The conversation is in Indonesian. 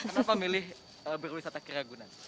kenapa milih berwisata ke ragunan